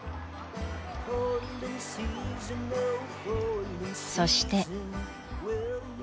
［そして］